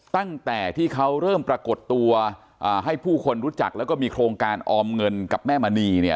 ตั้งแต่ที่เขาเริ่มปรากฏตัวให้ผู้คนรู้จักแล้วก็มีโครงการออมเงินกับแม่มณีเนี่ย